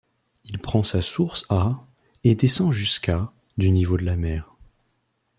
Il prend sa source à et descend jusqu’à du niveau de la mer.